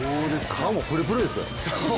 顔もプルプルですよ。